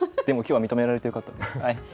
でも今日は認められてよかった。